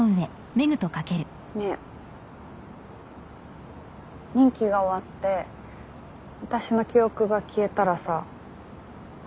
ねえ任期が終わって私の記憶が消えたらさ。